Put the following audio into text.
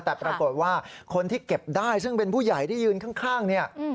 แต่ปรากฏว่าคนที่เก็บได้ซึ่งเป็นผู้ใหญ่ที่ยืนข้างเนี่ย